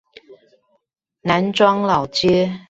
南庄老街